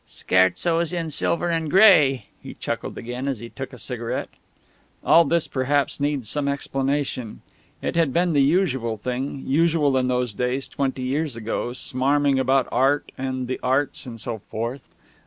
"'Scherzos in Silver and Grey'!" he chuckled again as he took a cigarette.... All this, perhaps, needs some explanation. It had been the usual thing, usual in those days, twenty years ago smarming about Art and the Arts and so forth.